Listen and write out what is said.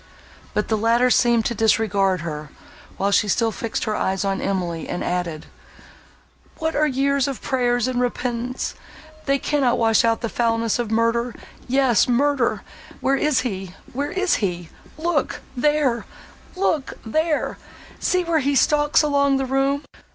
But the latter seemed to disregard her, while she still fixed her eyes on Emily, and added, "What are years of prayers and repentance? they cannot wash out the foulness of murder!—Yes, murder! Where is he—where is he?—Look there—look there!—see where he stalks along the room!